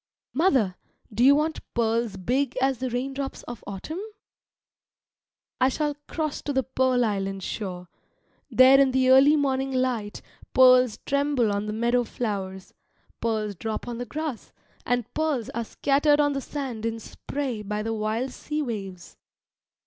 Mother, do you want pearls big as the raindrops of autumn? I shall cross to the pearl island shore. There in the early morning light pearls tremble on the meadow flowers, pearls drop on the grass, and pearls are scattered on the sand in spray by the wild sea waves.